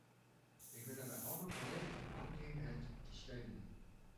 Ik wil er bij al mijn collega's op aandringen het te steunen.